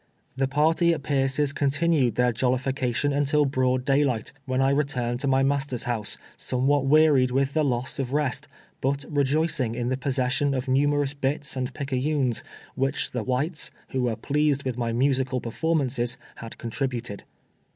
The party at Bierce's continued their Jol lification until broad daylight, when I returned to my m'aster's house, somewhat wearied with the loss of rest, but rejoicing in the possession of numerous bits and picayunes, which tlio whites, who were pleased with my musical performances, had contributed.